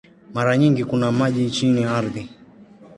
Mara nyingi kuna maji chini ya ardhi.